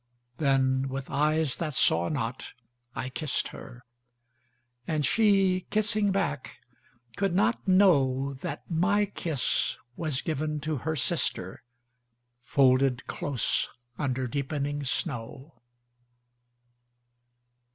Then, with eyes that saw not, I kissed her; And she, kissing back, could not knowThat my kiss was given to her sister, Folded close under deepening snow.